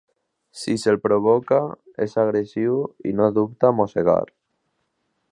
Si se'l provoca, és agressiu i no dubta a mossegar.